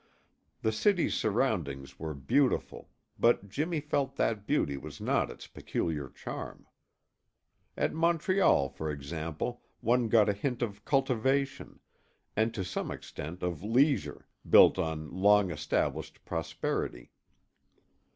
The city's surroundings were beautiful, but Jimmy felt that beauty was not its peculiar charm. At Montreal, for example, one got a hint of cultivation, and to some extent of leisure, built on long established prosperity.